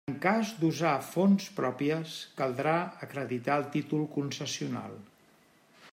En cas d'usar fonts pròpies caldrà acreditar el títol concessional.